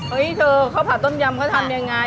เฮ้ยเธอเขาผัดต้มยำเขาทำยังไง